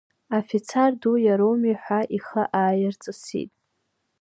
Афицар ду иароуми ҳәа ихы ааирҵасит.